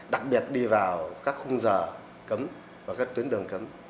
đặc biệt đi vào các khung giờ cấm và các tuyến đường cấm